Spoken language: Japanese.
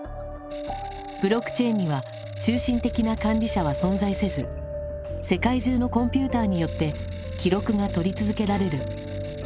ブロックチェーンには中心的な管理者は存在せず世界中のコンピューターによって記録が取り続けられる。